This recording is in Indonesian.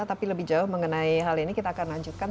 tapi lebih jauh mengenai hal ini kita akan lanjutkan